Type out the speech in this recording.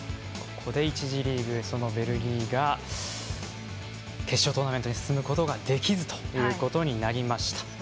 １次リーグ、ベルギーが決勝トーナメントに進むことができずということになりました。